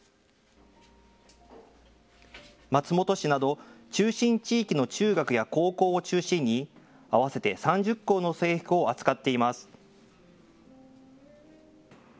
松本市など中信地域の中学や高校を中心に合わせて３０校の制服を扱っています。